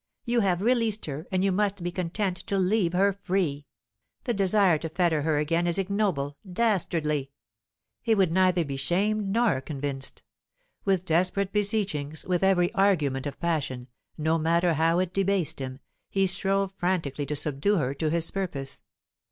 You have released her, and you must be content to leave her free. The desire to fetter her again is ignoble, dastardly!" He would neither be shamed nor convinced. With desperate beseechings, with every argument of passion, no matter how it debased him, he strove frantically to subdue her to his purpose.